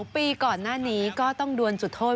ปีก่อนหน้านี้ก็ต้องดวนจุดโทษ